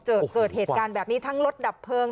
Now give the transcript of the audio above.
เกิดเหตุการณ์แบบนี้ทั้งรถดับเพลิง